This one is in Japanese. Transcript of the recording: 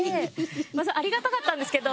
ありがたかったんですけど。